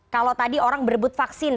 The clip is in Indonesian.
kalau tadi orang berebut vaksin